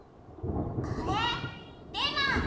あれ？でない。